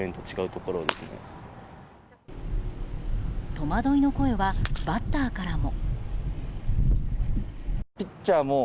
戸惑いの声はバッターからも。